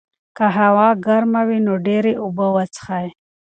که هوا ګرمه وي، نو ډېرې اوبه وڅښئ.